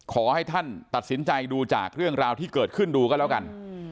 ขอให้ท่านตัดสินใจดูจากเรื่องราวที่เกิดขึ้นดูก็แล้วกัน